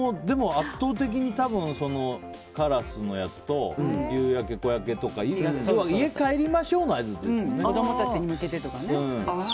圧倒的に、カラスのやつと「夕焼け小焼け」とか。家帰りましょうの合図。子供たちに向けてとかね。